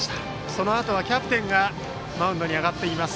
そのあとはキャプテンがマウンドに上がっています。